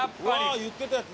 言ってたやつだ。